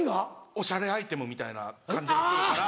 おしゃれアイテムみたいな感じがするから。